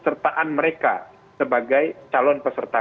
pemilu yang terkasih adalah penggunaan kekuatan